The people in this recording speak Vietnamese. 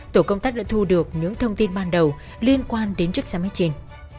tổ công tác đã thu được những thông tin ban đầu liên quan đến chiếc xe máy trên